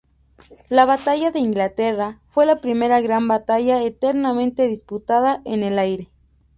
La batalla de Inglaterra fue la primera gran batalla enteramente disputada en el aire.